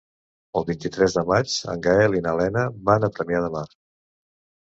El vint-i-tres de maig en Gaël i na Lena van a Premià de Mar.